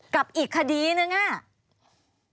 กับอีกคดีนึงอ่ะ